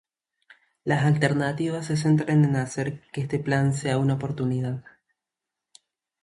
las alternativas se centran en hacer que este Plan sea una oportunidad